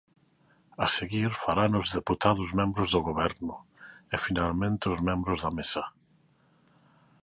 A seguir, farano os deputados membros do Goberno e finalmente os membros da Mesa.